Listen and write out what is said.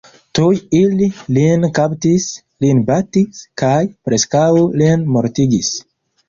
Tuj ili Lin kaptis, lin batis, kaj preskaŭ lin mortigis.